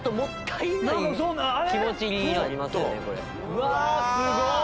うわすごい！